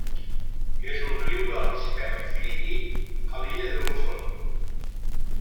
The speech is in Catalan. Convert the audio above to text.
És un riu de l'Arxipèlag Filipí, a l'illa de Luzon.